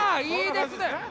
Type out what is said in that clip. いいですね！